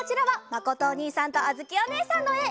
まことおにいさんとあづきおねえさんのえ！